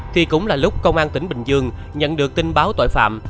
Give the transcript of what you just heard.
thì cũng là lúc công an tỉnh bình dương nhận được tin báo tội phạm